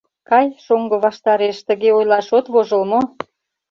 — Кай, шоҥго ваштареш тыге ойлаш от вожыл мо?!